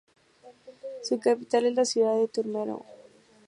Su capital es la ciudad de Turmero.